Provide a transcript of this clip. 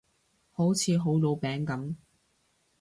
好似好老餅噉